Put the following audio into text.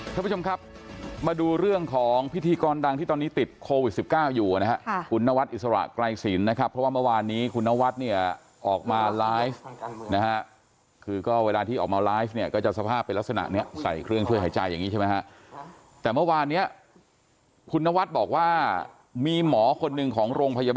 ท่านผู้ชมครับมาดูเรื่องของพิธีกรดังที่ตอนนี้ติดโควิดสิบเก้าอยู่นะฮะคุณนวัดอิสระไกรสินนะครับเพราะว่าเมื่อวานนี้คุณนวัดเนี่ยออกมาไลฟ์นะฮะคือก็เวลาที่ออกมาไลฟ์เนี่ยก็จะสภาพเป็นลักษณะเนี้ยใส่เครื่องช่วยหายใจอย่างนี้ใช่ไหมฮะแต่เมื่อวานเนี้ยคุณนวัดบอกว่ามีหมอคนหนึ่งของโรงพยาบาล